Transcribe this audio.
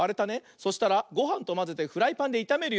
そしたらごはんとまぜてフライパンでいためるよ。